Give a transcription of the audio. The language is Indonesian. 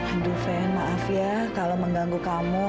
aduh fen maaf ya kalau mengganggu kamu